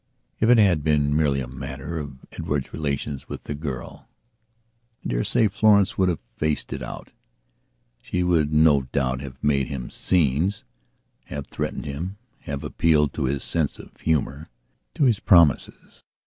If it had been merely a matter of Edward's relations with the girl I dare say Florence would have faced it out. She would no doubt have made him scenes, have threatened him, have appealed to his sense of humour, to his promises.